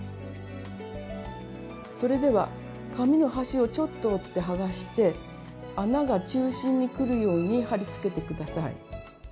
それでは紙の端をちょっと折って剥がして穴が中心にくるように貼り付けて下さい。